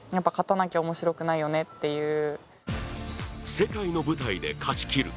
世界の舞台で勝ちきる。